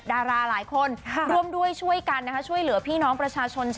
ดาราหลายคนร่วมด้วยช่วยกันนะคะช่วยเหลือพี่น้องประชาชน